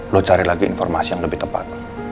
lo cari lagi informasi yang lebih tepat